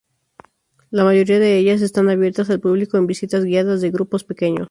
La mayoría de ellas están abiertas al público en visitas guiadas de grupos pequeños.